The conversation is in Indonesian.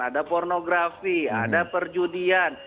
ada pornografi ada perjudian